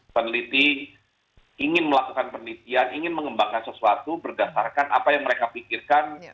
peneliti ingin melakukan penelitian ingin mengembangkan sesuatu berdasarkan apa yang mereka pikirkan